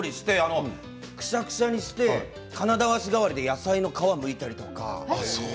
くしゃくしゃにして、金だわし代わりにして野菜の皮をむいたりとか。